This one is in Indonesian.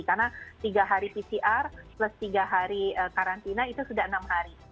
karena tiga hari pcr plus tiga hari karantina itu sudah enam hari